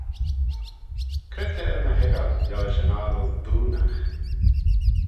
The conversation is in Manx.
Cre t'er ny hoiggal liorish yn 'ockle doonaght?